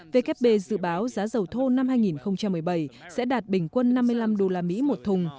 vkp dự báo giá dầu thô năm hai nghìn một mươi bảy sẽ đạt bình quân năm mươi năm đô la mỹ một thùng